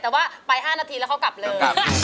แต่ว่าไป๕นาทีแล้วเขากลับเลย